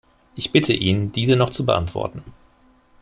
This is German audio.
Ich bitte ihn, diese noch zu beantworten.